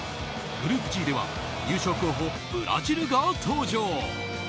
グループＧでは優勝候補ブラジルが登場。